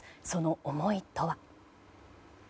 その思いとは。